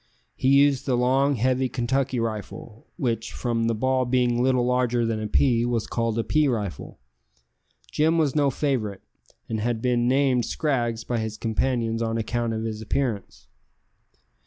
He used the long, heavy Kentucky rifle, which, from the ball being little larger than a pea, was called a pea rifle. Jim was no favourite, and had been named Scraggs by his companions on account of his appearance.